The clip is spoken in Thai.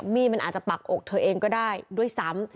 มีดมันอาจจะปักอกเธอเองก็ได้ด้วยซ้ำ